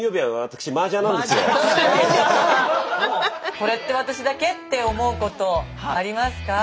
「これって私だけ？」って思うことありますか？